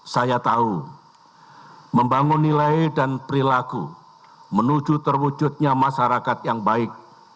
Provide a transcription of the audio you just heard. saya tahu membangun nilai dan perilaku menuju terwujudnya masyarakat yang baik